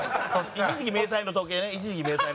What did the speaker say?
一時期迷彩の時計。